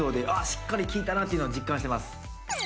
しっかり効いたなっていうのを実感してます